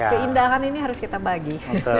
keindahan ini harus kita bagi